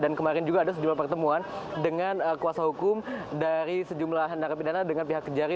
dan kemarin juga ada sejumlah pertemuan dengan kuasa hukum dari sejumlah narapidana dengan pihak kejari